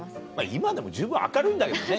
今でも十分明るいんだけどね。